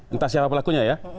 entah siapa pelakunya ya